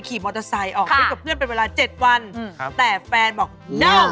ไปเหยียบอะไรมาหรือเปล่าหรืออะไรอย่างนี้